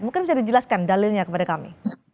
mungkin bisa dijelaskan dalilnya kepada kami